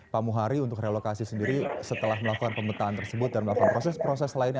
pak muhari untuk relokasi sendiri setelah melakukan pemetaan tersebut dan melakukan proses proses lainnya